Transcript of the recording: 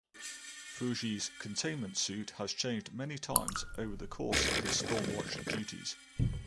Fuji's containment suit has changed many times over the course of his Stormwatch duties.